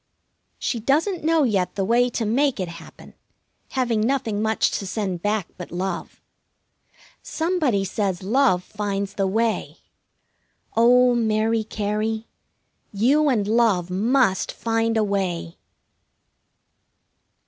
She doesn't know yet the way to make it happen, having nothing much to send back but love. Somebody says love finds the way. Oh, Mary Cary, you and Love must find a way!